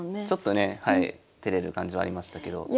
ちょっとね照れる感じはありましたけど。